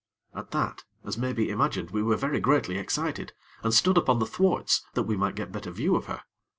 At that, as may be imagined, we were very greatly excited, and stood upon the thwarts that we might get better view of her.